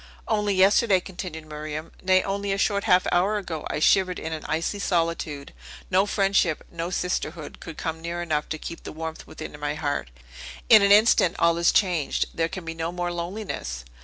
"Only yesterday," continued Miriam; "nay, only a short half hour ago, I shivered in an icy solitude. No friendship, no sisterhood, could come near enough to keep the warmth within my heart. In an instant all is changed! There can be no more loneliness!"